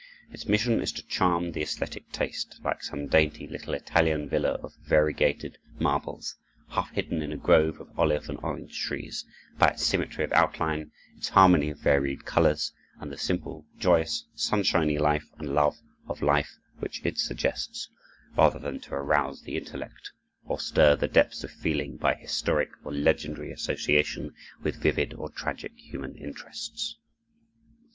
Its mission is to charm the esthetic taste, like some dainty little Italian villa of variegated marbles, half hidden in a grove of olive and orange trees, by its symmetry of outline, its harmony of varied colors, and the simple, joyous, sunshiny life and love of life which it suggests, rather than to arouse the intellect or stir the depths of feeling by historic or legendary association with vivid or tragic human interests.